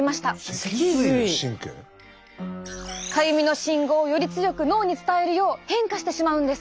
かゆみの信号をより強く脳に伝えるよう変化してしまうんです。